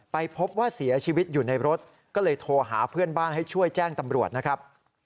พบว่าเสียชีวิตอยู่ในรถก็เลยโทรหาเพื่อนบ้านให้ช่วยแจ้งตำรวจนะครับ